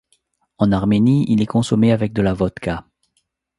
En Arménie, il est consommé avec de la vodka.